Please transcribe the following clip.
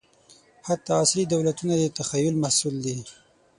حتی عصري دولتونه د تخیل محصول دي.